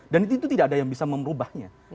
dan itu tidak ada yang bisa merubahnya